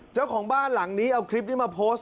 เจ้าของบ้านหลังนี้เอาคลิปนี้มาโพสต์